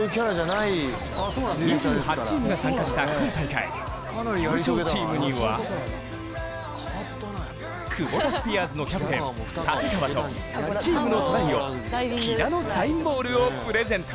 ２８チームが参加した今大会、優勝チームにはクボタスピアーズのキャプテン・立川とチームのトライ王、木田のサインボールをプレゼント。